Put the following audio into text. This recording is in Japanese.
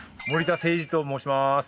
森田精次と申します。